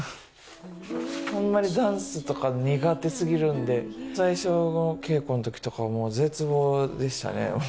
ホンマにダンスとか苦手過ぎるんで最初の稽古の時とかもう絶望でしたね。